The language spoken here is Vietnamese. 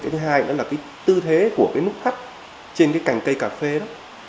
cái thứ hai nữa là cái tư thế của cái nút thắt trên cái cành cây cà phê đó